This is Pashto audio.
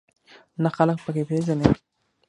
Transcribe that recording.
نه خلک په کې پېژنې.